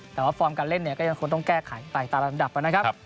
แต่ว่าฟอร์มการเล่นเนี่ยก็ยังคงต้องแก้ไขไปตามลำดับนะครับ